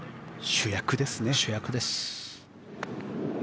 主役です。